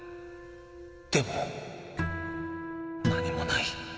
でも何もない。